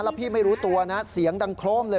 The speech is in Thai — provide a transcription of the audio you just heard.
แล้วพี่ไม่รู้ตัวนะเสียงดังโครมเลย